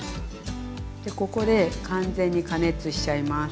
ここで完全に加熱しちゃいます。